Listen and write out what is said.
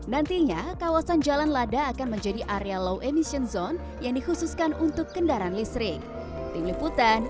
nantinya kawasan jalan lada akan menjadi area low emission zone yang dikhususkan untuk kendaraan listrik